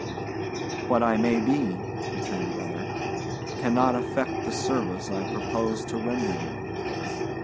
"What I may be," returned the other, "cannot affect the service I propose to render you."